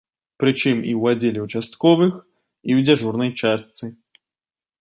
Прычым, і ў аддзеле участковых, і ў дзяжурнай частцы.